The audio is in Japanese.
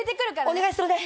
お願いするね！